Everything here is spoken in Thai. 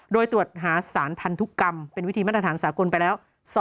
โดยตรวจหาสารพันธุกรรมเป็นวิธีมาตรฐานสากลไปแล้ว